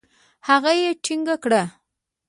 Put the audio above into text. هغه يې ټينګه کړه.